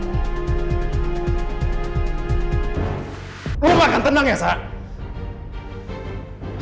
kamu tidak akan tenang ya sa